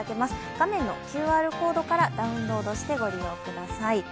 画面のＱＲコードからダウンロードしてご利用ください。